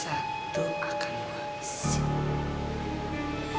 aku akan berisik